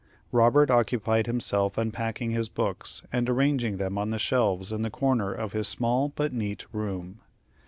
Robert occupied himself unpacking his books, and arranging them on the shelves in the corner of his small but neat room.